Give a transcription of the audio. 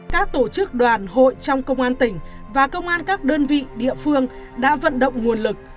các tổ chức đoàn hội trong công an tỉnh và công an các đơn vị địa phương đã vận động nguồn lực